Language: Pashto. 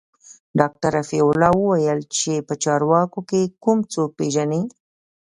ډاکتر رفيع الله وويل چې په چارواکو کښې کوم څوک پېژني.